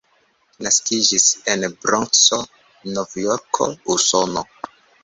Naskiĝis en Bronkso, Nov-Jorko, Usono.